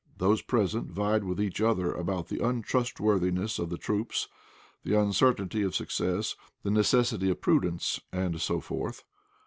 Those present vied with each other about the untrustworthiness of the troops, the uncertainty of success, the necessity of prudence, and so forth.